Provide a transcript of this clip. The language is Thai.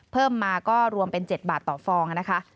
เพิ่มมาก็รวมเป็น๗บาทต่อฟองนะคะ